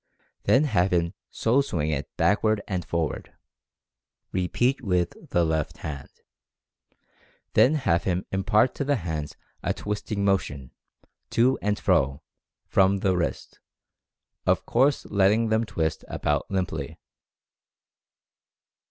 Then have him so swing it backward and forward. Repeat with the left hand. Then try with both hands at the same time. Then have him impart to the hands a "twisting" motion, to and fro, from the wrist, of course letting them twist about limply.